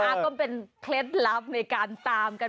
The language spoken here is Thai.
เอออาจต้องเป็นเคล็ดลับในการตามกัน